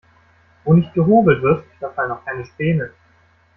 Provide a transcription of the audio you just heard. Wo nicht gehobelt wird, da fallen auch keine Späne.